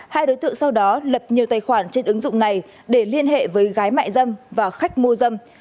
hai đối tượng sau đó lập nhiều tài khoản trên ứng dụng này để liên hệ với gái mại dâm và khách mua dâm